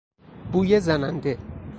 بوی زننده